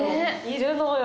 いるのよ！